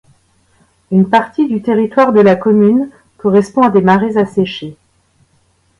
Une partie du territoire de la commune correspond à des marais asséchés.